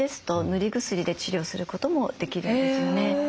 塗り薬で治療することもできるんですよね。